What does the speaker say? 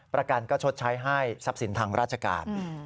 ประกันก็ชดใช้ให้ทรัพย์สินทางราชการ